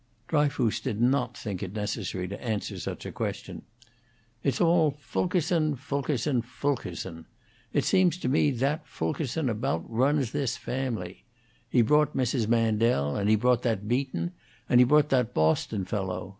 Dryfoos did not think it necessary to answer such a question. "It's all Fulkerson, Fulkerson, Fulkerson. It seems to me that Fulkerson about runs this family. He brought Mrs. Mandel, and he brought that Beaton, and he brought that Boston fellow!